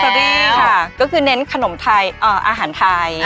แคร์เทอรี่ค่ะก็คือเน้นขนมไทยอาหารไทย